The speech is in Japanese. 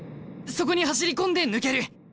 そこに走り込んで抜ける！